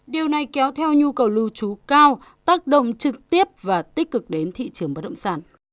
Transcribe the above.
điều này kéo theo nhu cầu lưu trú cao tác động trực tiếp và tích cực đến thị trường bất động sản